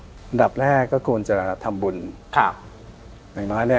อันดับแรกก็ควรจะทำบุญ